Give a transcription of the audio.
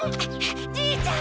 じーちゃん！